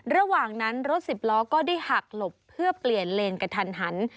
ระหว่างนั้นรถสิบล้อก็ได้หักหลบเพื่อเปลี่ยนเลนกระทันหัน